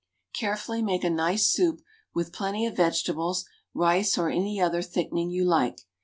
Carefully make a nice soup, with plenty of vegetables, rice, or any other thickening you like.